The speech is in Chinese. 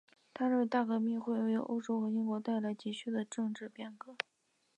他认为大革命会为欧洲和英国带来急需的政治变革。